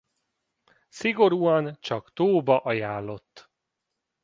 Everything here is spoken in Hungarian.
Szigorúan csak tóba ajánlott.